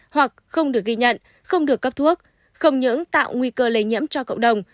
hoặc không được ghi nhận không được cấp thuốc không những tạo nguy cơ lây nhiễm cho cộng đồng